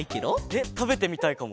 えったべてみたいかも。